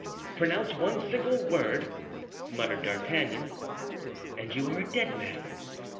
"Pronounce one single word," muttered D'Artagnan, "and you are a dead man."